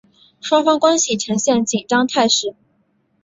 双方关系呈现紧张态势。